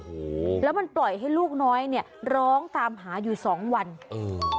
โอ้โหแล้วมันปล่อยให้ลูกน้อยเนี้ยร้องตามหาอยู่สองวันเออ